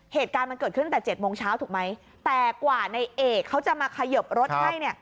เหตุการณ์มันเกิดขึ้นแต่เจ็ดโมงเช้าถูกไหมแต่กว่าในเอกเขาจะมาเขยิบรถให้เนี่ย